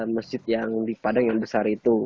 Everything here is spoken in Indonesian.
masjid yang di padang yang besar itu